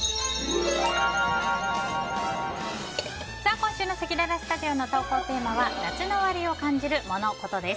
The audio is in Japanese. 今週のせきららスタジオの投稿テーマは夏の終わりを感じるモノ・コトです。